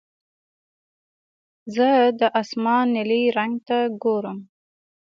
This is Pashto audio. زه د اسمان نیلي رنګ ته ګورم.